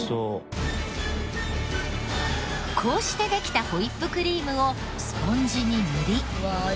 こうしてできたホイップクリームをスポンジに塗り。